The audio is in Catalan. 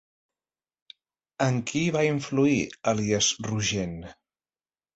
En qui va influir Elies Rogent?